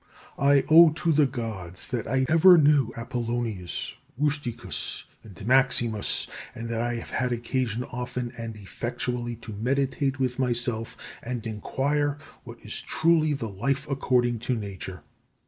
I owe to the Gods that I ever knew Apollonius, Rusticus and Maximus; that I have had occasion often and effectually to meditate with myself and enquire what is truly the life according to Nature.